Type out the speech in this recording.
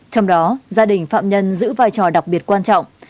trong đó gia đình phạm nhân giữ vai trò đặc biệt quan trọng